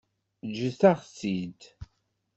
Ǧǧet-aɣ-t-id.